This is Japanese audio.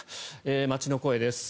街の声です。